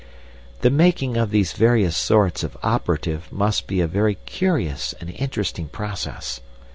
"The making of these various sorts of operative must be a very curious and interesting process.